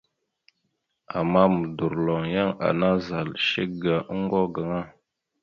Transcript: Ama modorloŋ, yan ana zal shek ga oŋgo gaŋa.